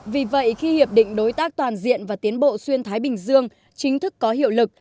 vì vậy khi hiệp định đối tác toàn diện và tiến bộ xuyên thái bình dương chính thức có hiệu lực